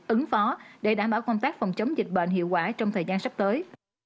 ứng phó để đảm bảo công tác phòng chống dịch bệnh hiệu quả trong thời gian sắp tới